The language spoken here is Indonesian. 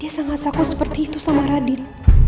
dia sangat takut seperti itu sama radin